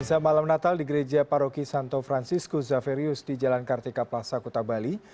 misa malam natal di gereja paroki santo franciscu zaverius di jalan kartika plaza kota bali